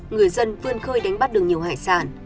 người dân vươn khơi đánh bắt được nhiều hải sản